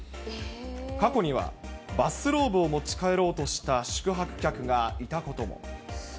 過去には、バスローブを持ち帰ろうとした宿泊客がいたことも。